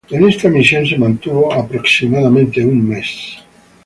En esta misión se mantuvo aproximadamente un mes.